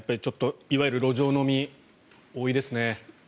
いわゆる路上飲み多いですね。